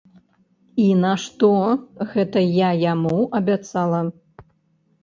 І нашто гэта я яму абяцала?